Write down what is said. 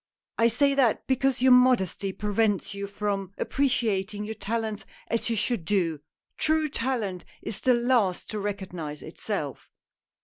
I say that, because your modesty prevents you from appreciating your talents as you should do. True talent is the last to recognize itself